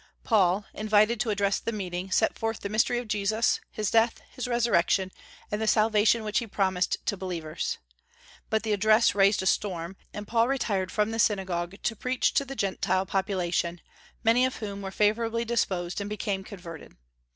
Paul, invited to address the meeting, set forth the mystery of Jesus, his death, his resurrection, and the salvation which he promised to believers. But the address raised a storm, and Paul retired from the synagogue to preach to the Gentile population, many of whom were favorably disposed, and became converted.